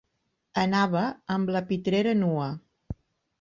Anava amb la pitrera nua.